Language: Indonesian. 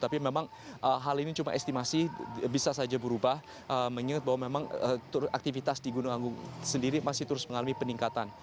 tapi memang hal ini cuma estimasi bisa saja berubah mengingat bahwa memang aktivitas di gunung agung sendiri masih terus mengalami peningkatan